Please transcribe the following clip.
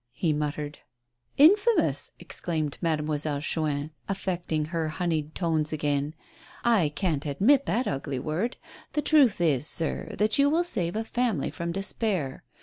" he muttered. "Infamous!" exclaimed Mademoiselle Chuin, affecting her honeyed tones again. "I can't admit that ugly word. The truth is, sir, that you will save a family from despair.